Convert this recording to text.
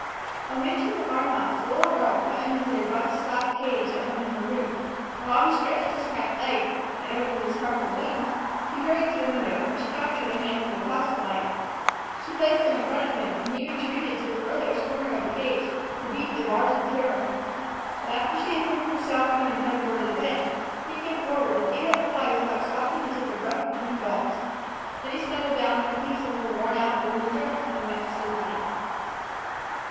On reaching the farm house the little girl put him into a rough slat cage that hung in her room; and while he stretched his cramped legs, and opened his crumpled wings, she hurried to the window, where she captured a handful of house flies. She placed them in front of him, and he retreated to the farthest corner of the cage, to beat the bars in terror. But after she had hidden herself behind the headboard of the bed, he came forward and ate up the flies without stopping to take a breath between gulps. Then he snuggled down on a piece of her worn out woolen dress, and went to sleep again.